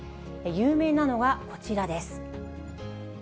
有名なのがこちらです。